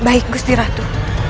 baik gusti ratu